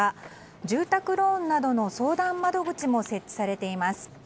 住宅ローンなどの相談窓口も設置されています。